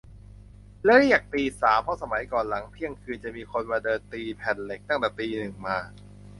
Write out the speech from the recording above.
เรียกตีสาม เพราะสมัยก่อนหลังเที่ยงคืน จะมีคนมาเดินตีแผ่นเหล็กตั้งแต่ตีหนึ่งมา